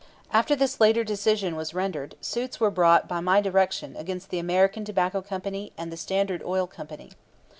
After this later decision was rendered, suits were brought by my direction against the American Tobacco Company and the Standard Oil Company.